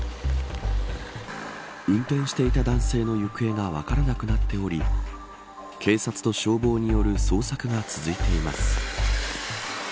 運転していた男性の行方が分からなくなっており警察と消防による捜索が続いています。